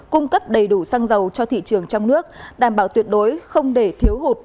cung cấp đầy đủ xăng dầu cho thị trường trong nước đảm bảo tuyệt đối không để thiếu hụt